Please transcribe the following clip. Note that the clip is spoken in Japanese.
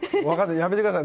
やめてください